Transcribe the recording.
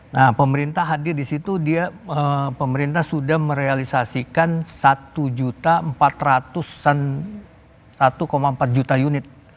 nah pemerintah hadir di situ dia pemerintah sudah merealisasikan satu empat ratus satu empat juta unit